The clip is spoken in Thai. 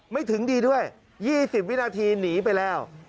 ไม่ถึงดีด้วย๒๐วินาทีหนีไปแล้ว